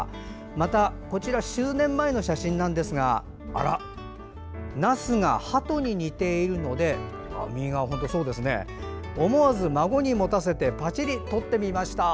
また数年前の写真なんですがなすがハトに似ているので思わず孫に持たせてパチリと撮ってみました。